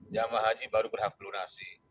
jamaah haji baru berhak pelunasi